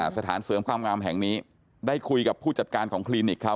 สถานเสริมความงามแห่งนี้ได้คุยกับผู้จัดการของคลินิกเขา